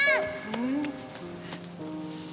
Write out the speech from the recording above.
うん？